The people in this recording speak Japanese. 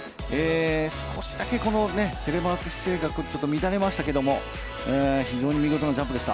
少しだけテレマーク姿勢が乱れましたけれども、非常に見事なジャンプでした。